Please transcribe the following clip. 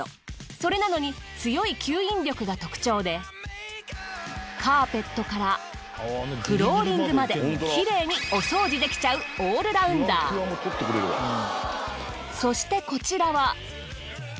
それなのに強い吸引力が特徴でカーペットからフローリングまできれいにお掃除できちゃうそしてこちらは。